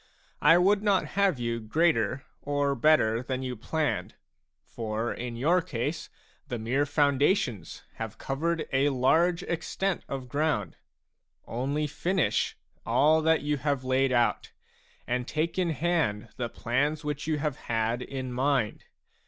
I would not have you greater or better than you planned ; for in your case the mere foundations have covered a large extent of ground ; only finish all that you have laid out, and take in hand the plans which you have had in mind.